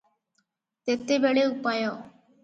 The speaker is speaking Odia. ତେତେବେଳେ ଉପାୟ?